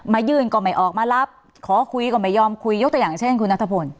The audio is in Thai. ยื่นก็ไม่ออกมารับขอคุยก็ไม่ยอมคุยยกตัวอย่างเช่นคุณนัทพล